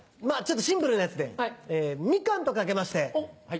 まぁちょっとシンプルなやつで「みかん」と掛けまして